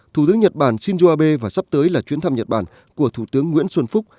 thủ tướng nhật bản shinzo abe và sắp tới là chuyến thăm nhật bản của thủ tướng nguyễn xuân phúc